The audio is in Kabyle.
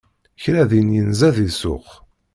Kra din yenza di ssuq.